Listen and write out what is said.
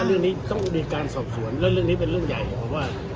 เรื่องนี้ต้องมีการสอบสวนแล้วเรื่องนี้เป็นเรื่องใหญ่เพราะว่า